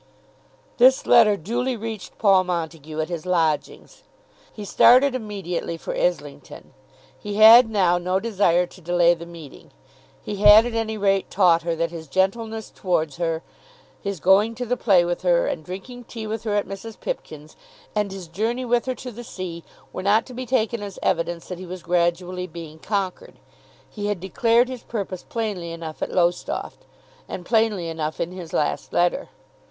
This letter duly reached Paul Montague at his lodgings. He started immediately for Islington. He had now no desire to delay the meeting. He had at any rate taught her that his gentleness towards her, his going to the play with her, and drinking tea with her at Mrs. Pipkin's, and his journey with her to the sea, were not to be taken as evidence that he was gradually being conquered. He had declared his purpose plainly enough at Lowestoft, and plainly enough in his last letter.